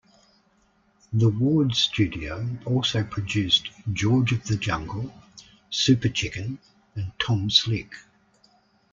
The Ward studio also produced "George of the Jungle", "Super Chicken", and "Tom Slick".